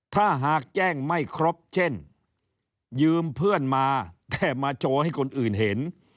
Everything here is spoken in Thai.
ถ้าหากแจ้งไม่ครบเช่นยืมเพื่อนมาแต่มาโชว์ให้คนอื่นเห็น